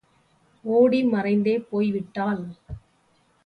ஓடி மறைந்தே போய் விட்டாள்.